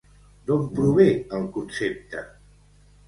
D'on prové el concepte?